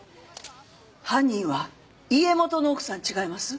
犯人は家元の奥さんちがいます？